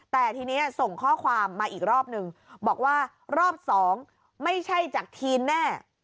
แต่ทีนี้ส่งข้อความมาอีกรอบนึงบอกว่ารอบสองไม่ใช่จากทีนแน่